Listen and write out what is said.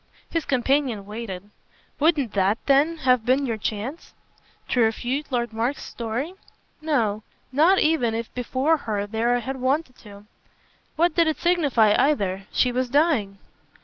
His companion waited. "Wouldn't THAT then have been your chance?" "To refute Lord Mark's story? No, not even if before her there I had wanted to. What did it signify either? She was dying."